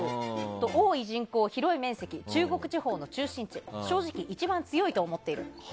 あと多い人口広い面積、中国地方の中心地正直、一番強いと思っている。